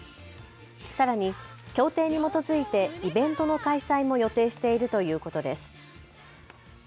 さらに協定に基づいてイベントの開催も予定しているということです。